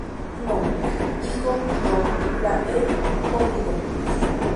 no, hijo, no. la he jodido.